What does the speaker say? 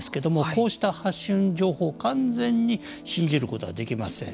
こうした発信情報を完全に信じることはできません。